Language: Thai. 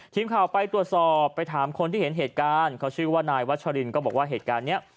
ทีมข่าวไปตรวจสอบไปถามคนที่เห็นเหตุการณ์เขาชื่อว่านายวัชรินก็บอกว่าเหตุการณ์เนี้ย